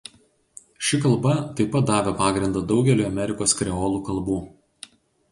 Ši kalba taip pat davė pagrindą daugeliui Amerikos kreolų kalbų.